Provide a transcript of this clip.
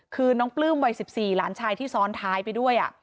คือน้องปลื้มวัย๑๔หลานชายที่ซ้อนท้ายไปด้วย